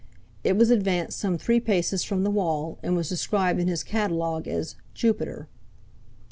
It was advanced some three paces from the wall, and was described in his catalogue as "Jupiter."